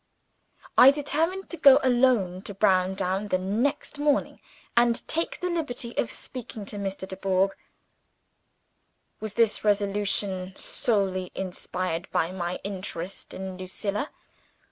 I determined to go alone to Browndown the next morning, and take the liberty of speaking to Mr. Dubourg. Was this resolution solely inspired by my interest in Lucilla?